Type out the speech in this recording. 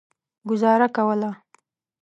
ګوزاره کوله.